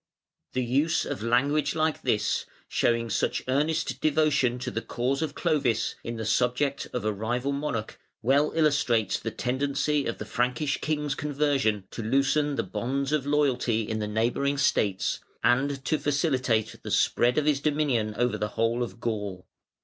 The use of language like this, showing such earnest devotion to the cause of Clovis in the subject of a rival monarch, well illustrates the tendency of the Frankish king's conversion to loosen the bonds of loyalty in the neighbouring States, and to facilitate the spread of his dominion over the whole of Gaul.